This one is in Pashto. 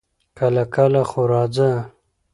کله کله خو راځه!